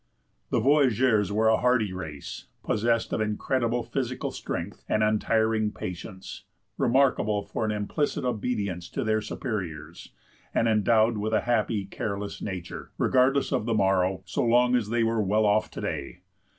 The voyageurs were a hardy race, possessed of incredible physical strength and untiring patience, remarkable for an implicit obedience to their superiors, and endowed with a happy, careless nature, regardless of the morrow, so long as they were well off to day.